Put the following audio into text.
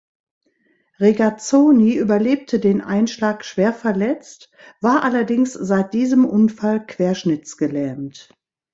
Regazzoni überlebte den Einschlag schwer verletzt, war allerdings seit diesem Unfall querschnittsgelähmt.